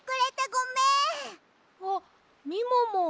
あっみもも。